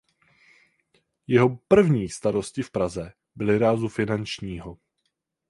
Jeho první starosti v Praze byly rázu finančního.